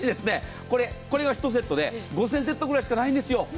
これが１セットで５０００セットぐらいしかないんですよ。